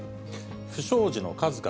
不祥事の数々。